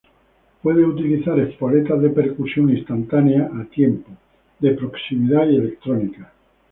Puede utilizar espoletas de percusión instantánea, a tiempos, de proximidad y electrónicas.